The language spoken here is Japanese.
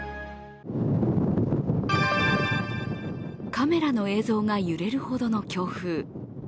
カメラの映像が揺れるほどの強風。